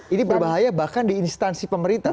ini berbahaya bahkan di instansi pemerintah